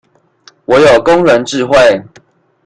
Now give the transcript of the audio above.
我有工人智慧